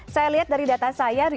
saya lihat dari data saya